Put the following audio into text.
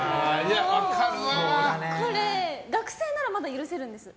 これ、学生ならまだ許せるんです。